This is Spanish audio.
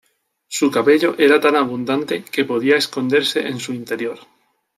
Su cabello era tan abundante que podía esconderse en su interior.